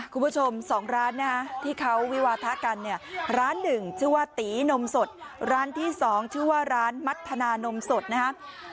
คุณผู้ชม๒ร้านนะฮะที่เขาวิวาทะกันเนี่ยร้านหนึ่งชื่อว่าตีนมสดร้านที่๒ชื่อว่าร้านมัธนานมสดนะครับ